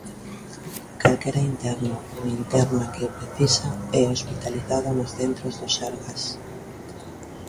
Calquera interno ou interna que o precisa é hospitalizado nos centros do Sergas.